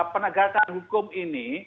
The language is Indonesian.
penegakan hukum ini